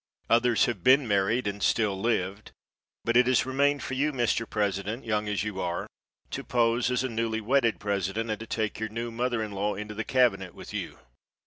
Others have been married and still lived, but it has remained for you, Mr. President, young as you are, to pose as a newly wedded president and to take your new mother in law into the cabinet with you.